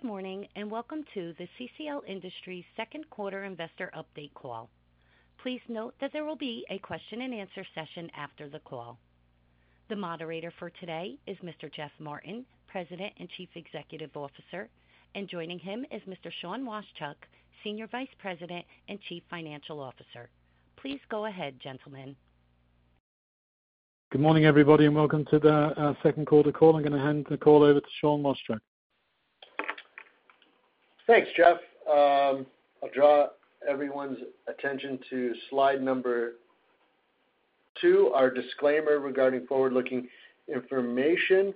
Good morning, and welcome to the CCL Industries second quarter investor update call. Please note that there will be a question and answer session after the call. The moderator for today is Mr. Jeff Martin, President and Chief Executive Officer, and joining him is Mr. Sean Washchuk, Senior Vice President and Chief Financial Officer. Please go ahead, gentlemen. Good morning, everybody, and welcome to the second quarter call. I'm gonna hand the call over to Sean Washchuk. Thanks, Jeff. I'll draw everyone's attention to slide number 2, our disclaimer regarding forward-looking information.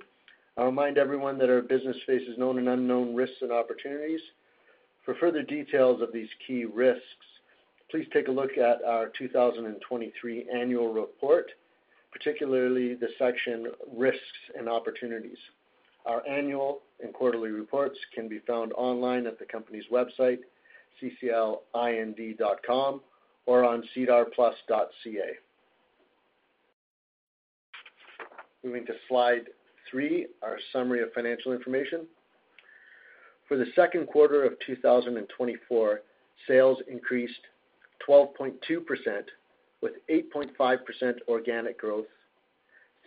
I'll remind everyone that our business faces known and unknown risks and opportunities. For further details of these key risks, please take a look at our 2023 annual report, particularly the section Risks and Opportunities. Our annual and quarterly reports can be found online at the company's website, cclind.com, or on SEDARplus.ca. Moving to slide 3, our summary of financial information. For the second quarter of 2024, sales increased 12.2%, with 8.5% organic growth,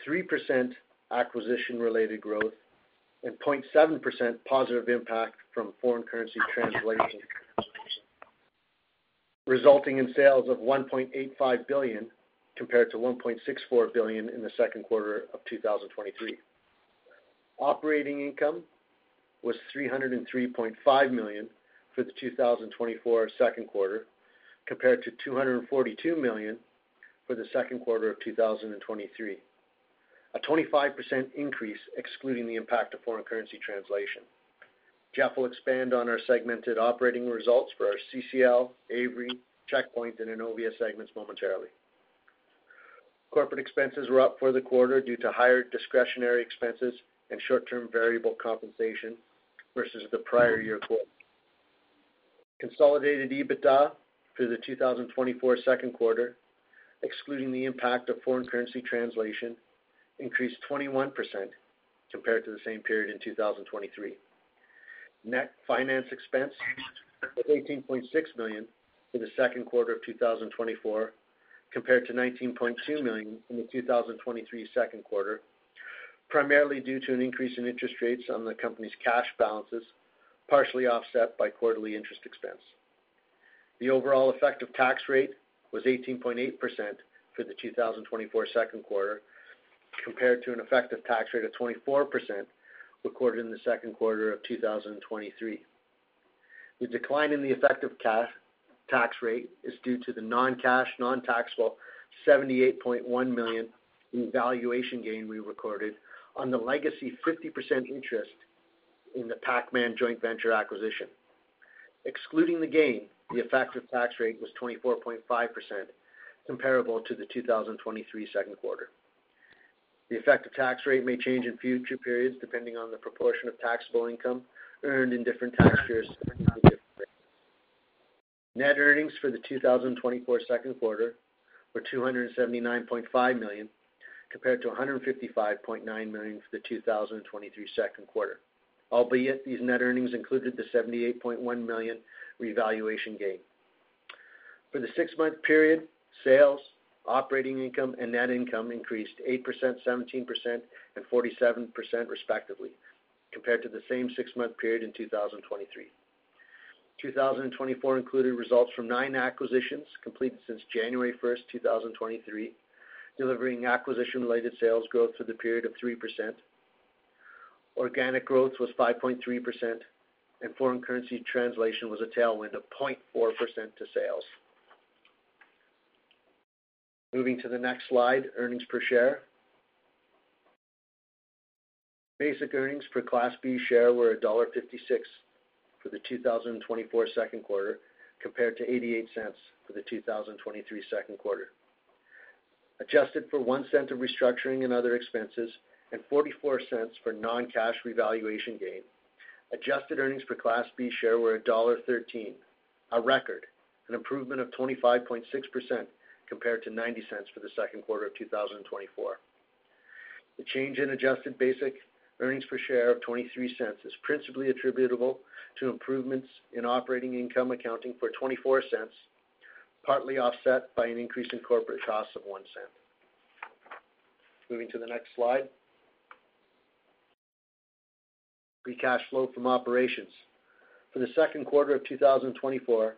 3% acquisition-related growth, and 0.7% positive impact from foreign currency translation, resulting in sales of 1.85 billion, compared to 1.64 billion in the second quarter of 2023. Operating income was 303.5 million for the 2024 second quarter, compared to 242 million for the second quarter of 2023, a 25% increase, excluding the impact of foreign currency translation. Jeff will expand on our segmented operating results for our CCL, Avery, Checkpoint, and Innovia segments momentarily. Corporate expenses were up for the quarter due to higher discretionary expenses and short-term variable compensation versus the prior year quarter. Consolidated EBITDA for the 2024 second quarter, excluding the impact of foreign currency translation, increased 21% compared to the same period in 2023. Net finance expense was 18.6 million for the second quarter of 2024, compared to 19.2 million in the 2023 second quarter, primarily due to an increase in interest rates on the company's cash balances, partially offset by quarterly interest expense. The overall effective tax rate was 18.8% for the 2024 second quarter, compared to an effective tax rate of 24% recorded in the second quarter of 2023. The decline in the effective tax rate is due to the non-cash, non-taxable 78.1 million in valuation gain we recorded on the legacy 50% interest in the Pacman joint venture acquisition. Excluding the gain, the effective tax rate was 24.5%, comparable to the 2023 second quarter. The effective tax rate may change in future periods, depending on the proportion of taxable income earned in different tax years. Net earnings for the 2024 second quarter were 279.5 million, compared to 155.9 million for the 2023 second quarter, albeit these net earnings included the 78.1 million revaluation gain. For the six-month period, sales, operating income, and net income increased 8%, 17%, and 47%, respectively, compared to the same six-month period in 2023. 2024 included results from 9 acquisitions completed since January 1, 2023, delivering acquisition-related sales growth for the period of 3%. Organic growth was 5.3%, and foreign currency translation was a tailwind of 0.4% to sales. Moving to the next slide, earnings per share. Basic earnings per Class B Share were dollar 1.56 for the 2024 second quarter, compared to 0.88 for the 2023 second quarter. Adjusted for 0.01 of restructuring and other expenses and 0.44 for non-cash revaluation gain, adjusted earnings per Class B Share were dollar 1.13, a record, an improvement of 25.6% compared to 0.90 for the second quarter of 2024. The change in adjusted basic earnings per share of 0.23 is principally attributable to improvements in operating income, accounting for 0.24, partly offset by an increase in corporate costs of 0.01. Moving to the next slide. Free cash flow from operations. For the second quarter of 2024,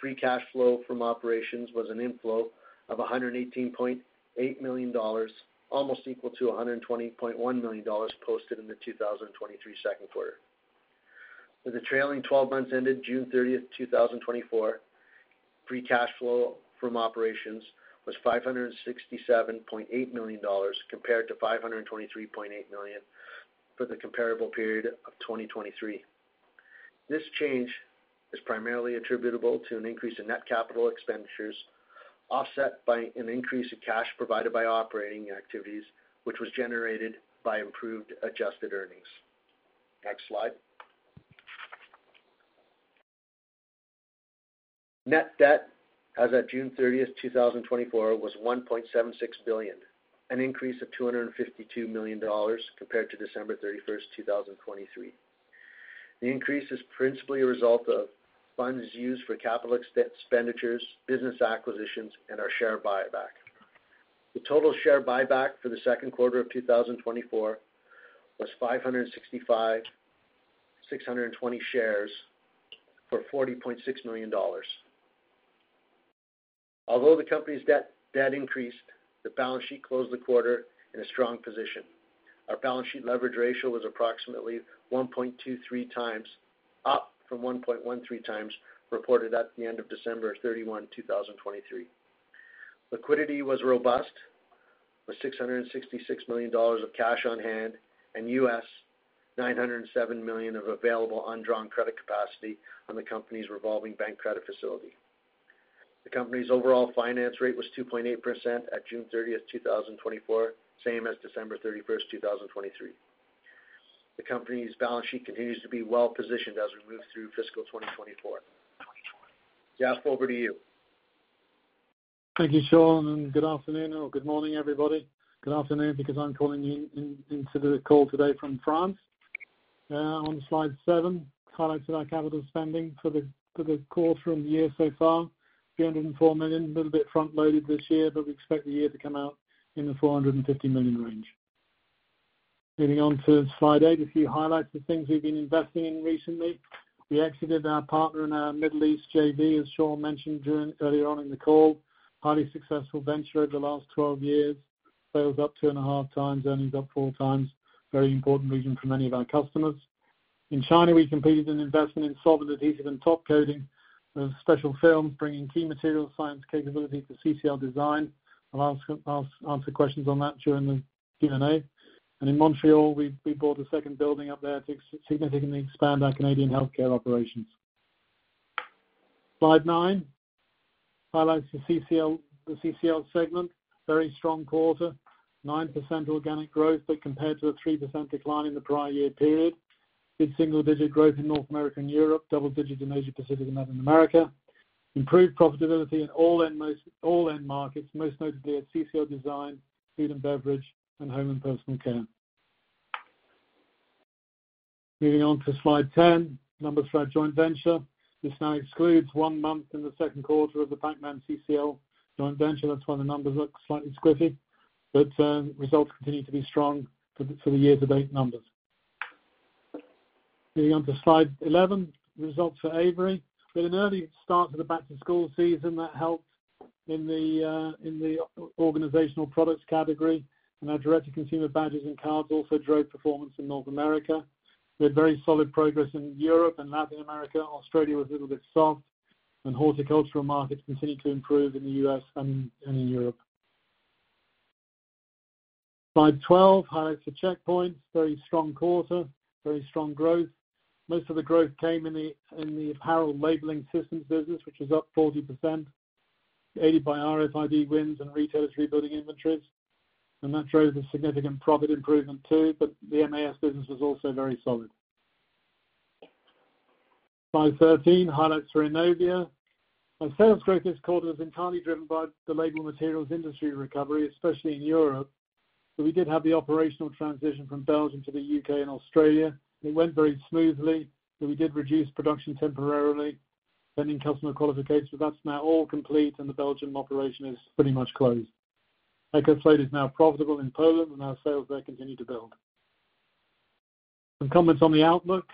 free cash flow from operations was an inflow of 118.8 million dollars, almost equal to 120.1 million dollars posted in the 2023 second quarter. For the trailing twelve months ended June 30, 2024, free cash flow from operations was 567.8 million dollars, compared to 523.8 million for the comparable period of 2023. This change is primarily attributable to an increase in net capital expenditures, offset by an increase in cash provided by operating activities, which was generated by improved adjusted earnings. Next slide. Net debt as at June 30, 2024, was 1.76 billion, an increase of 252 million dollars compared to December 31, 2023. The increase is principally a result of funds used for capital expenditures, business acquisitions, and our share buyback. The total share buyback for the second quarter of 2024 was 565,620 shares for 40.6 million dollars. Although the company's debt increased, the balance sheet closed the quarter in a strong position. Our balance sheet leverage ratio was approximately 1.23 times, up from 1.13 times, reported at the end of December 31, 2023. Liquidity was robust, with $666 million of cash on hand and $907 million of available undrawn credit capacity on the company's revolving bank credit facility. The company's overall finance rate was 2.8% at June 30th, 2024, same as December 31st, 2023. The company's balance sheet continues to be well positioned as we move through fiscal 2024. Jeff, over to you. Thank you, Sean, and good afternoon or good morning, everybody. Good afternoon, because I'm calling into the call today from France. On slide seven, highlights of our capital spending for the quarter and the year so far. 304 million, a little bit front loaded this year, but we expect the year to come out in the 450 million range. Moving on to slide eight, a few highlights of things we've been investing in recently. We exited our partner in our Middle East JV, as Sean mentioned earlier on in the call. Highly successful venture over the last 12 years. Sales up 2.5 times, earnings up 4 times. Very important region for many of our customers. In China, we completed an investment in solvent adhesive and top coating with special films, bringing key material science capability to CCL Design. I'll ask, I'll answer questions on that during the Q&A. And in Montreal, we bought a second building up there to significantly expand our Canadian healthcare operations. Slide 9 highlights the CCL, the CCL segment. Very strong quarter, 9% organic growth, but compared to a 3% decline in the prior year period. Good single-digit growth in North America and Europe, double-digit in Asia Pacific, and Latin America. Improved profitability in all end markets, most notably at CCL Design, food and beverage, and home and personal care. Moving on to Slide 10, numbers for our joint venture. This now excludes one month in the second quarter of the Pacman-CCL joint venture. That's why the numbers look slightly squiffy, but results continue to be strong for the year-to-date numbers. Moving on to Slide 11, results for Avery. We had an early start to the back-to-school season that helped in the organizational products category, and our direct-to-consumer badges and cards also drove performance in North America. We had very solid progress in Europe and Latin America. Australia was a little bit soft, and horticultural markets continued to improve in the US and in Europe. Slide 12, highlights for Checkpoint. Very strong quarter, very strong growth. Most of the growth came in the Apparel Labeling Solutions business, which is up 40%, aided by RFID wins and retailers rebuilding inventories. And that drove a significant profit improvement, too, but the MAS business was also very solid. Slide 13, highlights for Innovia. Our sales growth this quarter was entirely driven by the label materials industry recovery, especially in Europe. But we did have the operational transition from Belgium to the UK and Australia. It went very smoothly, but we did reduce production temporarily, pending customer qualification. That's now all complete, and the Belgian operation is pretty much closed. EcoFloat is now profitable in Poland, and our sales there continue to build. Some comments on the outlook.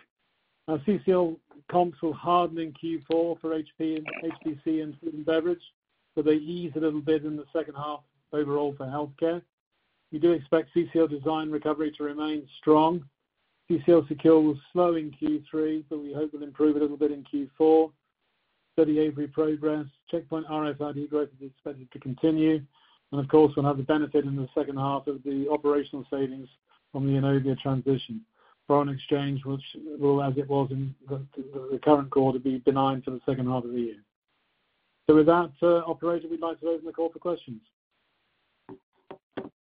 Our CCL comps will harden in Q4 for HPC, and food and beverage, but they ease a little bit in the second half overall for healthcare. We do expect CCL Design recovery to remain strong. CCL Secure will slow in Q3, but we hope will improve a little bit in Q4. Steady Avery progress, Checkpoint RFID growth is expected to continue, and of course, we'll have the benefit in the second half of the operational savings from the Innovia transition. Foreign exchange, which will, as it was in the current quarter, be benign for the second half of the year. So with that, operator, we'd like to open the call for questions.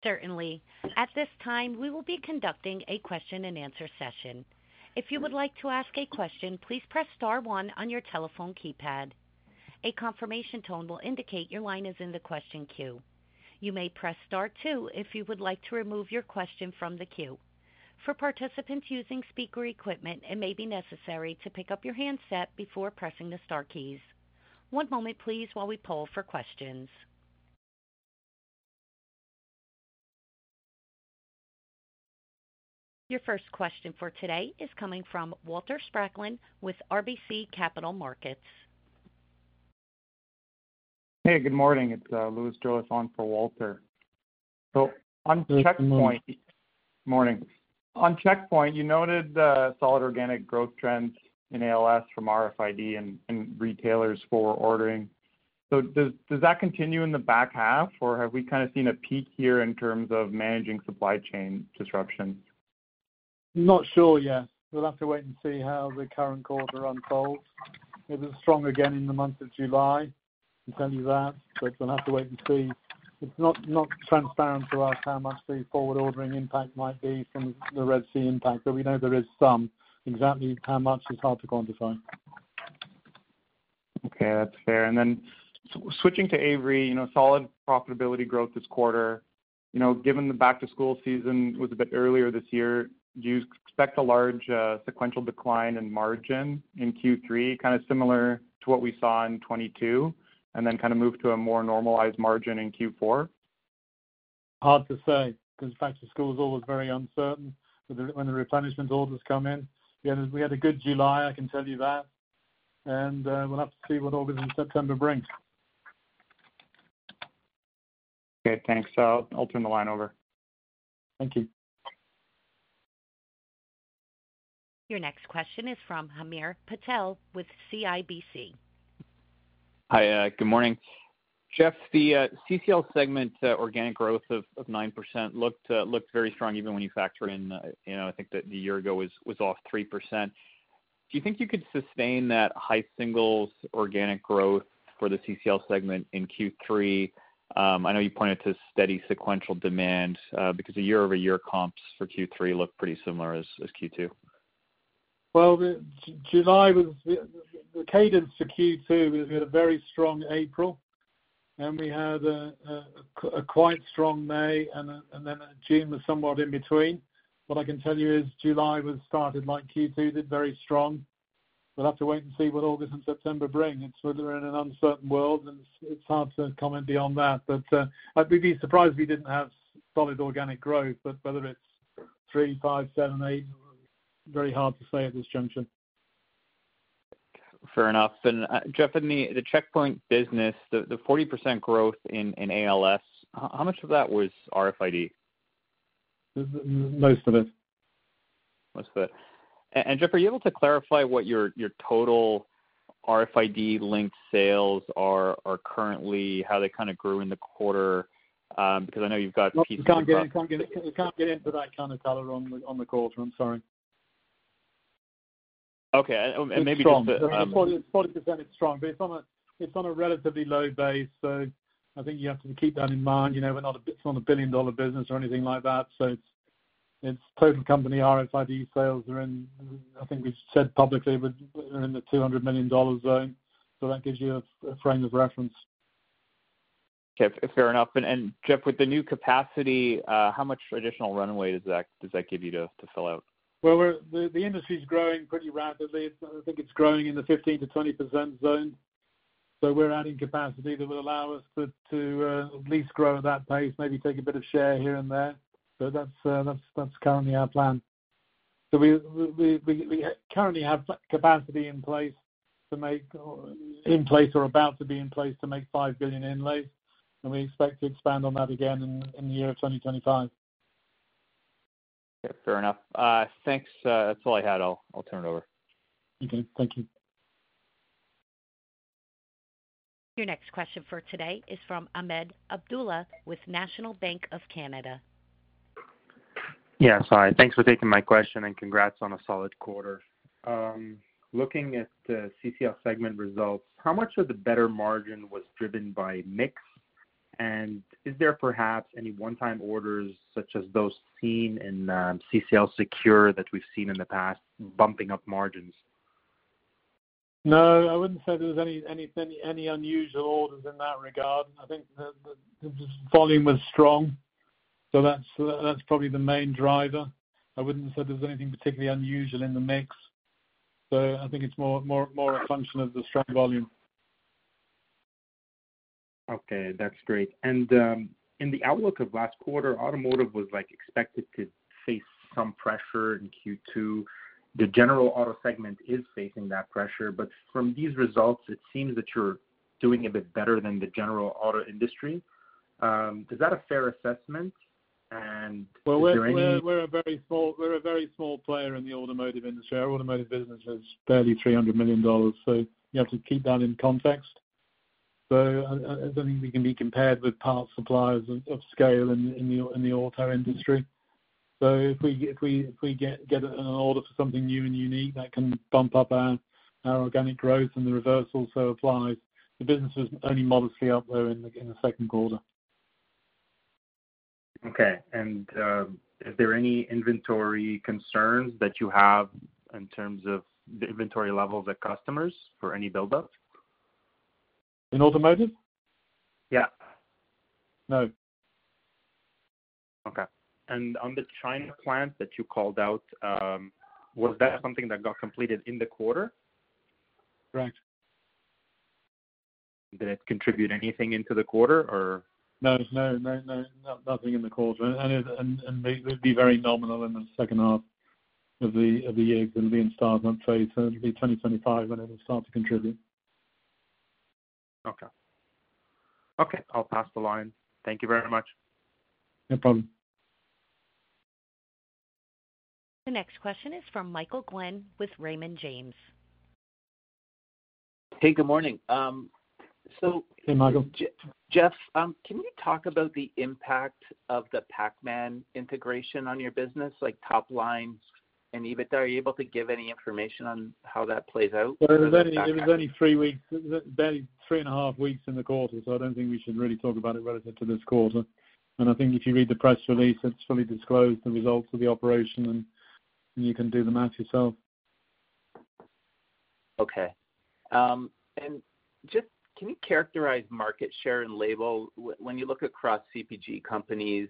Certainly. At this time, we will be conducting a question-and-answer session. If you would like to ask a question, please press star one on your telephone keypad. A confirmation tone will indicate your line is in the question queue. You may press star two if you would like to remove your question from the queue. For participants using speaker equipment, it may be necessary to pick up your handset before pressing the star keys. One moment, please, while we poll for questions. Your first question for today is coming from Walter Spracklin with RBC Capital Markets. Hey, good morning. It's Luke Jull on for Walter. So on Checkpoint- Good morning. Morning. On Checkpoint, you noted the solid organic growth trends in ALS from RFID and retailers for ordering. So does that continue in the back half, or have we kind of seen a peak here in terms of managing supply chain disruption? Not sure yet. We'll have to wait and see how the current quarter unfolds. It was strong again in the month of July... I can tell you that, but we'll have to wait and see. It's not, not transparent to us how much the forward ordering impact might be from the Red Sea impact, but we know there is some. Exactly how much is hard to quantify. Okay, that's fair. And then switching to Avery, you know, solid profitability growth this quarter. You know, given the back-to-school season was a bit earlier this year, do you expect a large sequential decline in margin in Q3, kind of similar to what we saw in 2022, and then kind of move to a more normalized margin in Q4? Hard to say, 'cause back-to-school is always very uncertain when the replenishment orders come in. Yeah, we had a good July, I can tell you that. And, we'll have to see what August and September brings. Okay, thanks. I'll turn the line over. Thank you. Your next question is from Hamir Patel with CIBC. Hi, good morning. Jeff, the CCL segment organic growth of 9% looked very strong, even when you factor in, you know, I think that the year ago was off 3%. Do you think you could sustain that high singles organic growth for the CCL segment in Q3? I know you pointed to steady sequential demand, because the year-over-year comps for Q3 look pretty similar as Q2. Well, the July was... The cadence for Q2, we had a very strong April, and we had a quite strong May, and then June was somewhat in between. What I can tell you is July started, like Q2, did very strong. We'll have to wait and see what August and September bring. It's whether we're in an uncertain world, and it's hard to comment beyond that. But, I'd be surprised if we didn't have solid organic growth. But whether it's 3, 5, 7, 8, very hard to say at this juncture. Fair enough. Jeff, in the Checkpoint business, the 40% growth in ALS, how much of that was RFID? Most of it. Most of it. And Jeff, are you able to clarify what your total RFID linked sales are currently, how they kind of grew in the quarter? Because I know you've got pieces- We can't get into that kind of color on the quarter. I'm sorry. Okay, and maybe just- It's strong. 40% is strong, but it's on a relatively low base, so I think you have to keep that in mind. You know, we're not even on a billion-dollar business or anything like that, so it's total company RFID sales are in. I think we've said publicly, but we're in the $200 million zone. So that gives you a frame of reference. Okay, fair enough. And, and Jeff, with the new capacity, how much additional runway does that, does that give you to, to fill out? Well, we're the industry's growing pretty rapidly. I think it's growing in the 15%-20% zone. So we're adding capacity that will allow us to at least grow at that pace, maybe take a bit of share here and there. So that's currently our plan. So we currently have capacity in place to make or in place or about to be in place to make 5 billion inlays, and we expect to expand on that again in the year of 2025. Okay, fair enough. Thanks, that's all I had. I'll turn it over. Okay. Thank you. Your next question for today is from Ahmed Abdullah with National Bank of Canada. Yeah, sorry. Thanks for taking my question, and congrats on a solid quarter. Looking at the CCL segment results, how much of the better margin was driven by mix? And is there perhaps any one-time orders such as those seen in, CCL Secure that we've seen in the past, bumping up margins? No, I wouldn't say there was any unusual orders in that regard. I think the volume was strong, so that's probably the main driver. I wouldn't say there's anything particularly unusual in the mix. So I think it's more a function of the strong volume. Okay, that's great. And, in the outlook of last quarter, automotive was, like, expected to face some pressure in Q2. The general auto segment is facing that pressure, but from these results, it seems that you're doing a bit better than the general auto industry. Is that a fair assessment? And is there any- Well, we're a very small player in the automotive industry. Our automotive business is barely $300 million, so you have to keep that in context. So I don't think we can be compared with parts suppliers of scale in the auto industry. So if we get an order for something new and unique, that can bump up our organic growth, and the reverse also applies. The business is only modestly up there in the second quarter. Okay. Is there any inventory concerns that you have in terms of the inventory levels at customers for any build-ups? In automotive? Yeah. No. Okay. On the China plant that you called out, was that something that got completed in the quarter? Right. Did it contribute anything into the quarter or? No, no, no, no, nothing in the quarter. And it'd be very nominal in the second half of the year. It will be installed, I'd say, it'll be 2025 when it will start to contribute. Okay. Okay, I'll pass the line. Thank you very much. No problem. The next question is from Michael Glen with Raymond James. Hey, good morning. Hey, Michael.... Jeff, can you talk about the impact of the Pacman integration on your business, like top line and EBITDA? Are you able to give any information on how that plays out? Well, it was only three weeks, barely three and a half weeks in the quarter, so I don't think we should really talk about it relative to this quarter. And I think if you read the press release, it's fully disclosed the results of the operation, and you can do the math yourself. Okay. And just, can you characterize market share in labels? When you look across CPG companies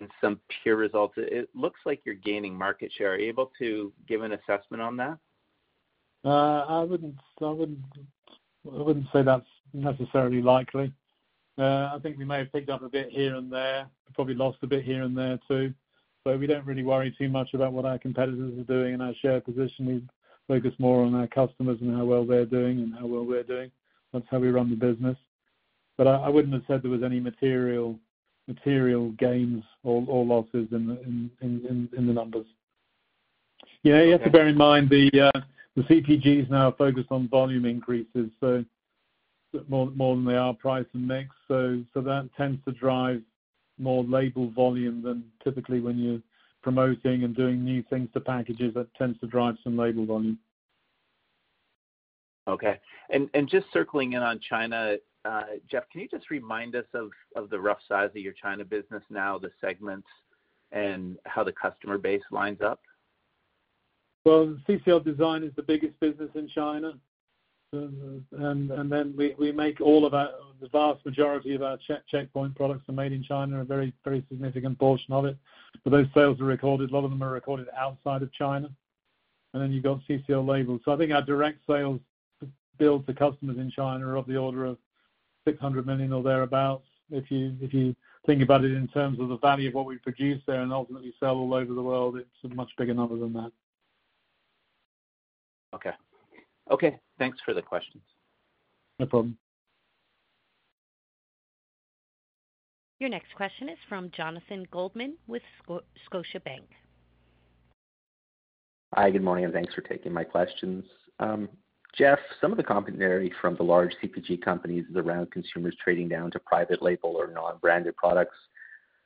and some peer results, it looks like you're gaining market share. Are you able to give an assessment on that? I wouldn't say that's necessarily likely. I think we may have picked up a bit here and there, probably lost a bit here and there, too. But we don't really worry too much about what our competitors are doing and our share position. We focus more on our customers and how well they're doing and how well we're doing. That's how we run the business. But I wouldn't have said there was any material gains or losses in the numbers. Yeah, you have to bear in mind the CPG is now focused on volume increases, so more than they are price and mix. So that tends to drive more label volume than typically when you're promoting and doing new things to packages, that tends to drive some label volume. Okay. Just circling in on China, Jeff, can you just remind us of the rough size of your China business now, the segments and how the customer base lines up? Well, CCL Design is the biggest business in China. And then we make all of our, the vast majority of our Checkpoint products are made in China, a very, very significant portion of it. But those sales are recorded, a lot of them are recorded outside of China. And then you've got CCL Labels. So I think our direct sales builds to customers in China are of the order of 600 million or thereabout. If you think about it in terms of the value of what we produce there and ultimately sell all over the world, it's a much bigger number than that. Okay. Okay, thanks for the questions. No problem. Your next question is from Jonathan Goldman with Scotiabank. Hi, good morning, and thanks for taking my questions. Jeff, some of the commentary from the large CPG companies is around consumers trading down to private label or non-branded products.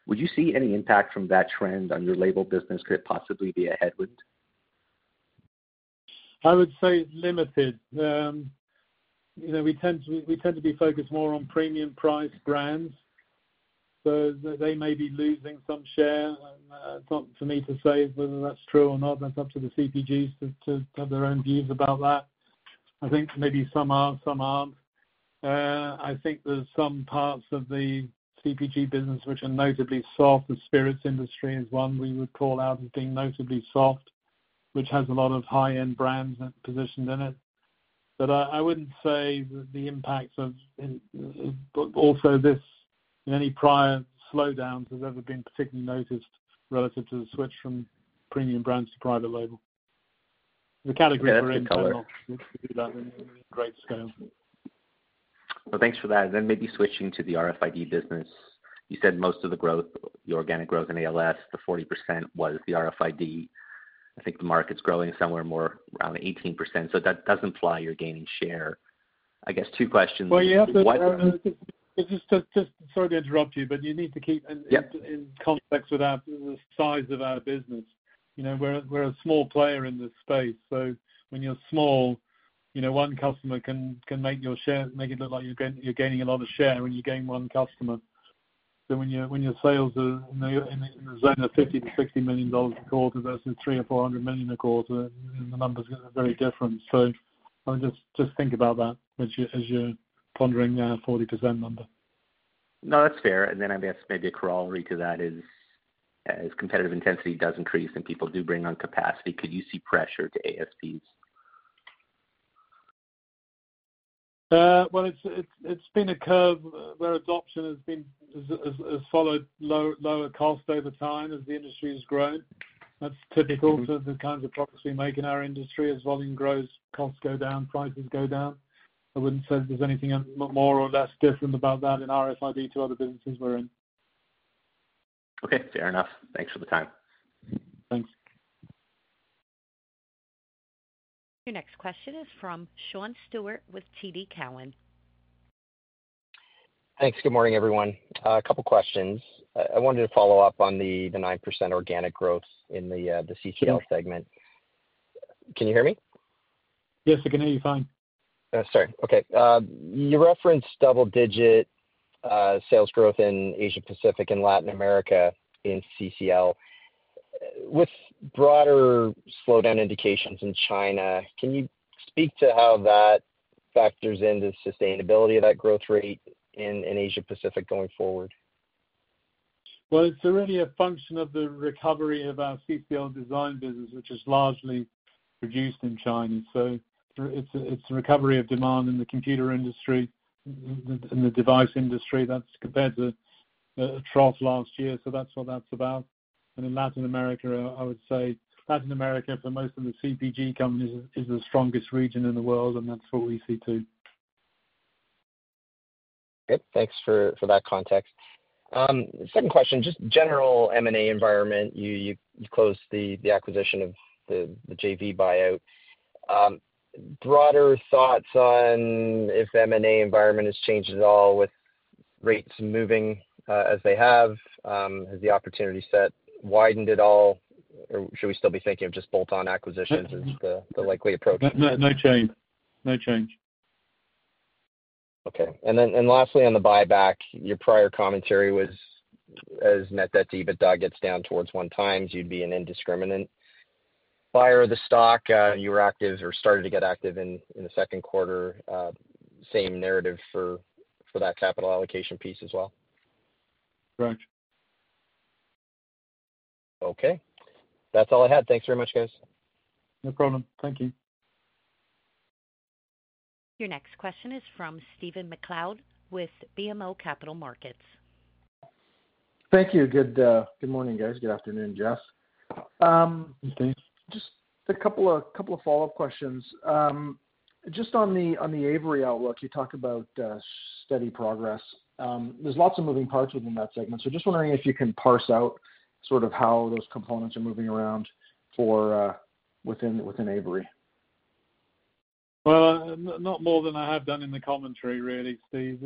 Would you see any impact from that trend on your label business? Could it possibly be a headwind? I would say limited. You know, we tend to, we tend to be focused more on premium price brands. So they may be losing some share. Not for me to say whether that's true or not. That's up to the CPGs to, to have their own views about that. I think maybe some are, some aren't. I think there's some parts of the CPG business which are notably soft. The spirits industry is one we would call out as being notably soft, which has a lot of high-end brands and positions in it. But I, I wouldn't say that the impact of, in, but also this, in any prior slowdowns, has ever been particularly noticed relative to the switch from premium brands to private label. The category we're in, in general, great scale. Well, thanks for that. And then maybe switching to the RFID business. You said most of the growth, the organic growth in ALS, the 40% was the RFID. I think the market's growing somewhere more around 18%, so that doesn't fly, you're gaining share. I guess 2 questions. Well, you have to- Why... Just sorry to interrupt you, but you need to keep in- Yep... in context with the size of our business. You know, we're a small player in this space, so when you're small, you know, one customer can make your share, make it look like you're gaining a lot of share when you gain one customer. So when your sales are in the zone of 50-60 million dollars a quarter versus 300 or 400 million a quarter, the numbers are very different. So I just think about that as you're pondering our 40% number. No, that's fair. And then I guess maybe a corollary to that is, as competitive intensity does increase and people do bring on capacity, could you see pressure to ASPs? Well, it's been a curve where adoption has followed lower cost over time as the industry has grown. That's typical for the kinds of products we make in our industry. As volume grows, costs go down, prices go down. I wouldn't say there's anything more or less different about that in RFID to other businesses we're in. Okay, fair enough. Thanks for the time. Thanks. Your next question is from Sean Steuart with TD Cowen. Thanks. Good morning, everyone. A couple questions. I wanted to follow up on the nine percent organic growth in the CCL segment. Can you hear me? Yes, I can hear you fine. Sorry. Okay. You referenced double-digit sales growth in Asia Pacific and Latin America in CCL. With broader slowdown indications in China, can you speak to how that factors into the sustainability of that growth rate in Asia Pacific going forward? Well, it's really a function of the recovery of our CCL Design business, which is largely produced in China. So it's a recovery of demand in the computer industry, in the device industry that's compared to trough last year. So that's what that's about. And in Latin America, I would say Latin America, for most of the CPG companies, is the strongest region in the world, and that's what we see, too. Great. Thanks for that context.... Second question, just general M&A environment. You, you closed the, the acquisition of the, the JV buyout. Broader thoughts on if M&A environment has changed at all with rates moving, as they have, has the opportunity set widened at all, or should we still be thinking of just bolt-on acquisitions as the, the likely approach? No, no, no change. No change. Okay. And then, and lastly, on the buyback, your prior commentary was, as net debt to EBITDA gets down towards 1x, you'd be an indiscriminate buyer of the stock. You were active or started to get active in, in the second quarter. Same narrative for, for that capital allocation piece as well? Correct. Okay. That's all I had. Thanks very much, guys. No problem. Thank you. Your next question is from Stephen MacLeod with BMO Capital Markets. Thank you. Good, good morning, guys. Good afternoon, Jeff. Good day. Just a couple of follow-up questions. Just on the Avery outlook, you talked about steady progress. There's lots of moving parts within that segment, so just wondering if you can parse out sort of how those components are moving around within Avery? Well, not more than I have done in the commentary really, Steve.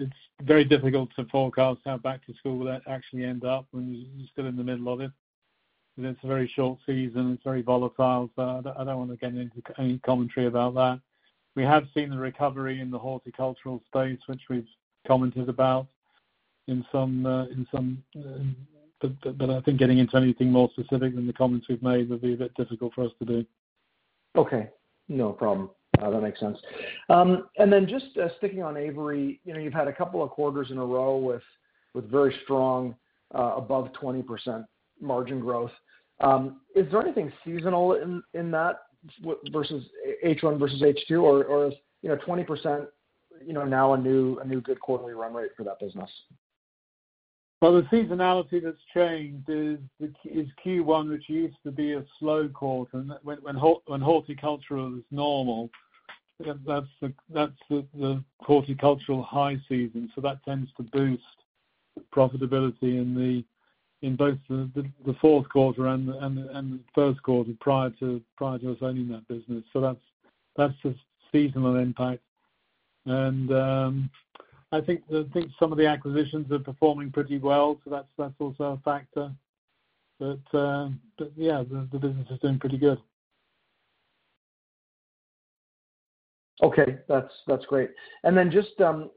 It's very difficult to forecast how back to school will actually end up, and we're still in the middle of it. It's a very short season. It's very volatile. So I don't, I don't want to get into any commentary about that. We have seen the recovery in the horticultural space, which we've commented about in some, in some... But, but I think getting into anything more specific than the comments we've made would be a bit difficult for us to do. Okay, no problem. That makes sense. And then just sticking on Avery, you know, you've had a couple of quarters in a row with very strong above 20% margin growth. Is there anything seasonal in that versus H1 versus H2, or is, you know, 20%, you know, now a new, a new good quarterly run rate for that business? Well, the seasonality that's changed is Q1, which used to be a slow quarter when horticultural is normal, that's the horticultural high season, so that tends to boost profitability in both the fourth quarter and the first quarter prior to us owning that business. So that's a seasonal impact. And I think some of the acquisitions are performing pretty well, so that's also a factor. But yeah, the business is doing pretty good. Okay. That's, that's great. And then just,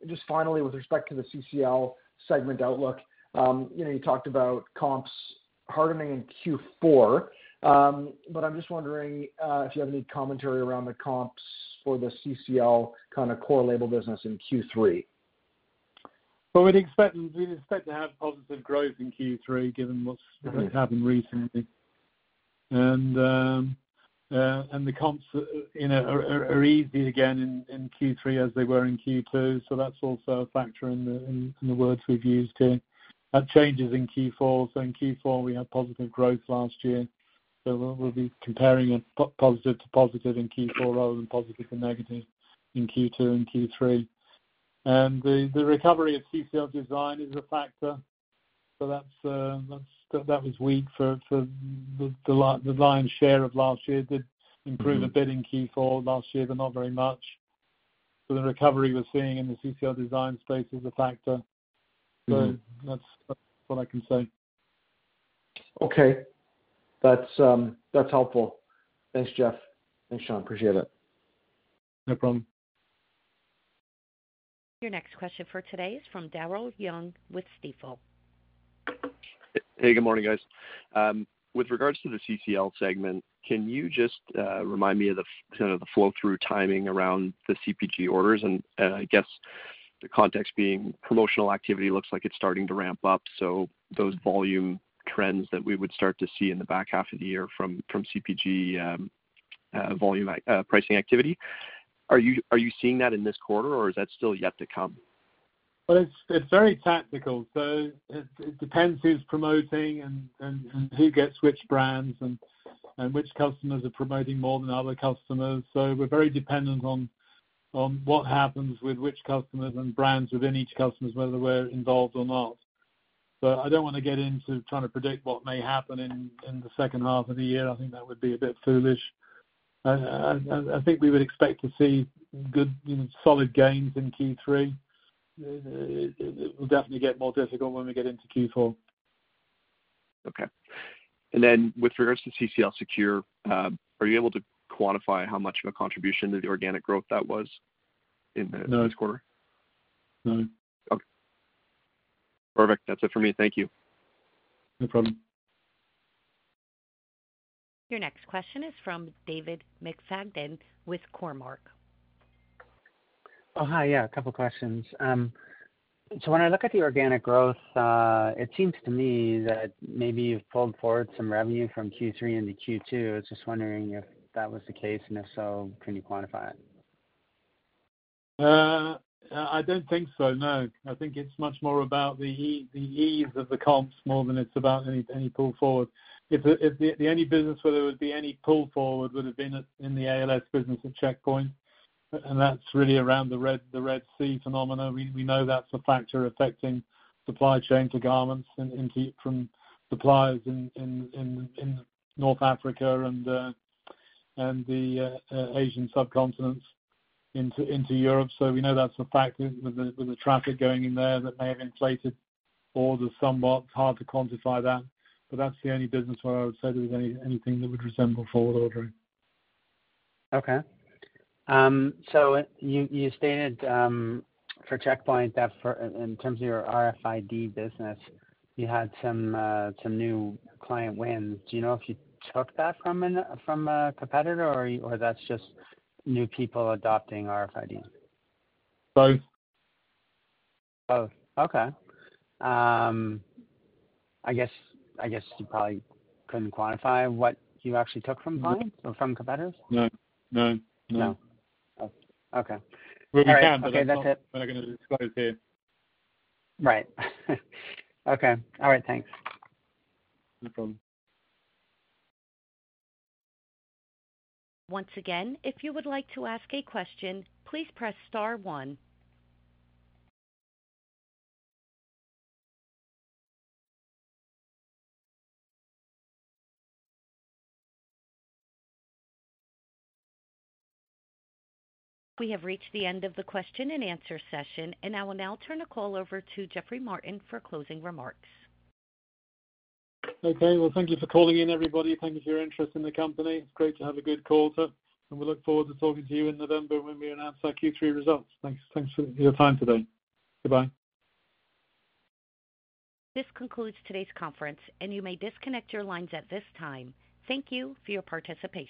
just finally, with respect to the CCL segment outlook, you know, you talked about comps hardening in Q4. But I'm just wondering if you have any commentary around the comps for the CCL kind of core label business in Q3? Well, we'd expect to have positive growth in Q3 given what's happened recently. And the comps, you know, are easy again in Q3 as they were in Q2. So that's also a factor in the words we've used here. That changes in Q4. So in Q4, we had positive growth last year, so we'll be comparing a positive to positive in Q4 rather than positive to negative in Q2 and Q3. And the recovery of CCL Design is a factor, so that's, that was weak for the lion's share of last year. It did improve a bit in Q4 last year, but not very much. So the recovery we're seeing in the CCL Design space is a factor. So that's, that's what I can say. Okay. That's, that's helpful. Thanks, Jeff. Thanks, Sean. Appreciate it. No problem. Your next question for today is from Daryl Young with Stifel. Hey, good morning, guys. With regards to the CCL segment, can you just remind me of the kind of flow-through timing around the CPG orders? And, I guess the context being promotional activity looks like it's starting to ramp up, so those volume trends that we would start to see in the back half of the year from CPG, volume, pricing activity. Are you seeing that in this quarter, or is that still yet to come? Well, it's very tactical, so it depends who's promoting and who gets which brands and which customers are promoting more than other customers. So we're very dependent on what happens with which customers and brands within each customers, whether we're involved or not. But I don't want to get into trying to predict what may happen in the second half of the year. I think that would be a bit foolish. I think we would expect to see good, solid gains in Q3. It will definitely get more difficult when we get into Q4. Okay. And then with regards to CCL Secure, are you able to quantify how much of a contribution to the organic growth that was in this quarter? No. No. Okay, perfect. That's it for me. Thank you. No problem. Your next question is from David McFadgen with Cormark. Oh, hi. Yeah, a couple questions. So when I look at the organic growth, it seems to me that maybe you've pulled forward some revenue from Q3 into Q2. I was just wondering if that was the case, and if so, can you quantify it?... I don't think so, no. I think it's much more about the ease of the comps more than it's about any pull forward. If the only business where there would be any pull forward would have been in the ALS business at Checkpoint, and that's really around the Red Sea phenomena. We know that's a factor affecting supply chain to garments and into... from suppliers in North Africa and the Asian subcontinent into Europe. So we know that's a factor with the traffic going in there that may have inflated orders somewhat. It's hard to quantify that, but that's the only business where I would say there was anything that would resemble forward ordering. Okay. So you stated, for Checkpoint, that in terms of your RFID business, you had some new client wins. Do you know if you took that from a competitor, or that's just new people adopting RFID? Both. Both. Okay. I guess, I guess you probably couldn't quantify what you actually took from whom? Or from competitors. No. No. No. No. Oh, okay. Well, we can- All right. Okay, that's it. We're not going to disclose here. Right. Okay. All right, thanks. No problem. Once again, if you would like to ask a question, please press star one. We have reached the end of the question and answer session, and I will now turn the call over to Geoffrey Martin for closing remarks. Okay. Well, thank you for calling in, everybody. Thank you for your interest in the company. It's great to have a good call too, and we look forward to talking to you in November when we announce our Q3 results. Thanks, thanks for your time today. Goodbye. This concludes today's conference, and you may disconnect your lines at this time. Thank you for your participation.